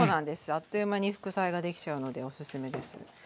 あっという間に副菜ができちゃうのでおすすめです。